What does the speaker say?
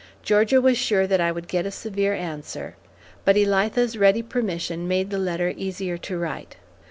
Georgia was sure that I would get a severe answer, but Elitha's ready permission made the letter easier to write.